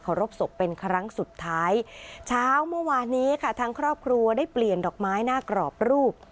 รบศพเป็นครั้งสุดท้ายเช้าเมื่อวานนี้ค่ะทางครอบครัวได้เปลี่ยนดอกไม้หน้ากรอบรูป